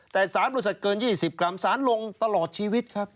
แต่สารบริษัทเกิน๒๐กรัมสารลงตลอดชีวิตครับ